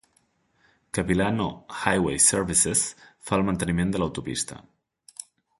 Capilano Highway Services fa el manteniment de l'autopista.